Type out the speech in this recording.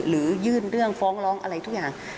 หรือยื่นเรื่องฟ้องร้องอะไรทุกอย่าง